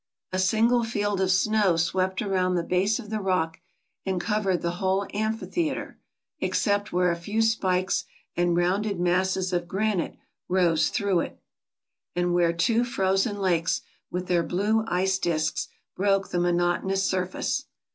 A single field of snow swept around the base of the rock, and covered the whole amphitheater, except where a few spikes and rounded masses of granite rose through it, and where two frozen lakes, with their blue ice disks, broke the monot onous surface.